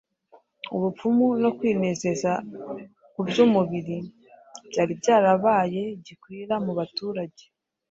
Ubupfumu no kwinezeza kuby’umubiri byari byarabaye gikwira mu baturage.